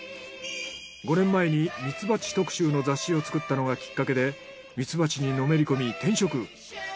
５年前にミツバチ特集の雑誌を作ったのがきっかけでミツバチにのめりこみ転職。